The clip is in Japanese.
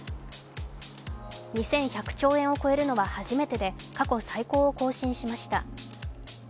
２１００兆円を超えるのは初めてで過去最高を更新しました。